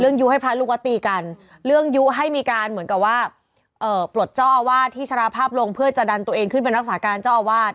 ยุให้พระลูกวัดตีกันเรื่องยุให้มีการเหมือนกับว่าปลดเจ้าอาวาสที่ชราภาพลงเพื่อจะดันตัวเองขึ้นเป็นรักษาการเจ้าอาวาส